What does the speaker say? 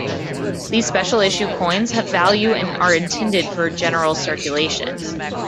These special issue coins have value and are intended for general circulation.